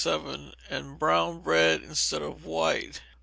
47, and brown bread instead of white.